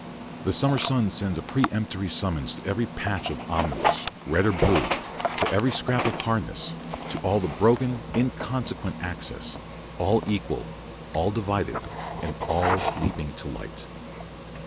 The summer sun sends a peremptory summons to every patch of omnibus, red or blue, to every scrap of harness, to all the broken, inconsequent accents, all equal, all divided, and all leaping to light.